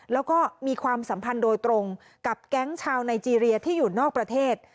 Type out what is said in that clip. แล้วก็มีความสัมพันธ์โดยตรงกับแก๊งชาวไนเจรียที่อยู่นอกประเทศ